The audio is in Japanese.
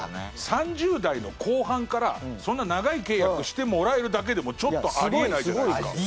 ３０代の後半からそんな長い契約してもらえるだけでもちょっとあり得ないじゃないですか。